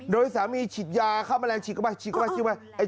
โดนที่สามีฉีดยาข้าวแมลงฉีดเข้าไปฉีดเข้าไป